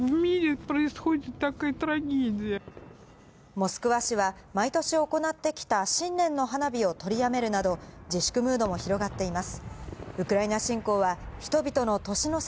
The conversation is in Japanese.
モスクワ市は、毎年行ってきた新年の花火を取りやめるなど、自粛ムードも広がっています。